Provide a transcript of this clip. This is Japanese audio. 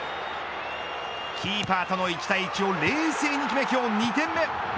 キーパーとの１対１を冷静に決め今日２点目。